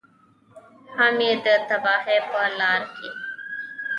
هم یې د تباهۍ په لاره کې.